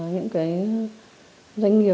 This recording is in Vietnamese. những cái doanh nghiệp